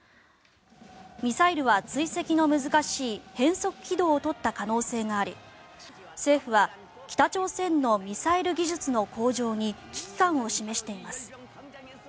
ミサイルは追跡の難しい変則軌道を取った可能性があり政府は北朝鮮のミサイル技術の向上に危機感を示しています。